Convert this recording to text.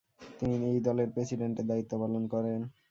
তিনি এই দলের প্রেসিডেন্টের দায়িত্বপালন করেন।